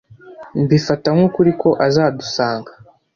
Mbifata nkukuri ko azadusanga